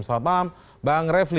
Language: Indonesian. selamat malam bang revli